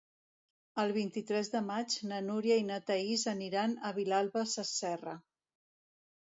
El vint-i-tres de maig na Núria i na Thaís aniran a Vilalba Sasserra.